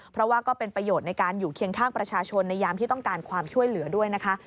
เพราะว่าก็เป็นประโยชน์ในการอยู่เคียงข้างประชาชนในยามที่ต้องการความช่วยเหลือด้วยนะคะ